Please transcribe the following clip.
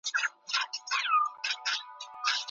تاسي ولي په دغي ډېري کږې او خطرناکي لاري باندې نه تېرېږئ؟